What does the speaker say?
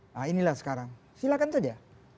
nah inilah sekarang silakan saja